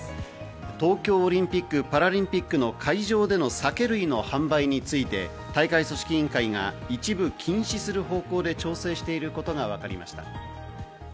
東京オリンピック・パラリンピックの会場での酒類の販売について大会組織委員会が一部禁止する方向で調整していることがわかりました。